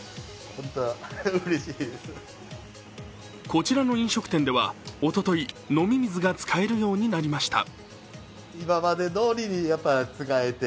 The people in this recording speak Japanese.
こちらの飲食店では、おととい飲み水が使えるようになりました。